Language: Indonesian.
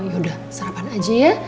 yaudah sarapan aja ya